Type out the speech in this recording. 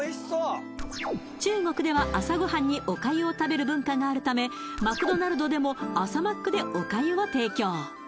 中国では朝ごはんにお粥を食べる文化があるためマクドナルドでも朝マックでお粥を提供